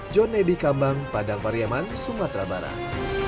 jon eddy kambang padang pariaman sumatera barat